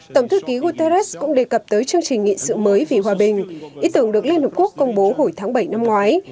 tổng thư ký guterres cũng đề cập tới chương trình nghị sự mới vì hòa bình ý tưởng được liên hợp quốc công bố hồi tháng bảy năm ngoái